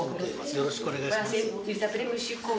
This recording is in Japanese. よろしくお願いします。